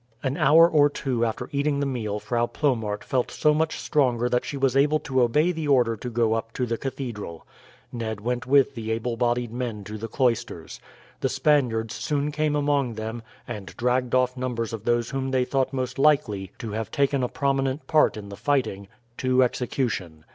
An hour or two after eating the meal Frau Plomaert felt so much stronger that she was able to obey the order to go up to the cathedral. Ned went with the able bodied men to the cloisters. The Spaniards soon came among them, and dragged off numbers of those whom they thought most likely to have taken a prominent part in the fighting, to execution.